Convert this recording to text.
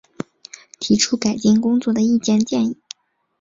提出改进工作的意见建议